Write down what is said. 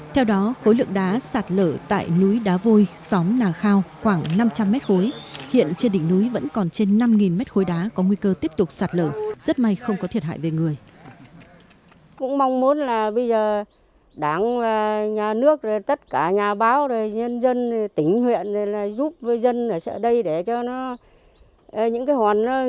theo đó khối lượng đá sạt lở tại núi đá vôi xóm nà khao khoảng năm trăm linh m khối